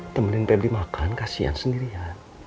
temenin bebe makan kasian sendiri ya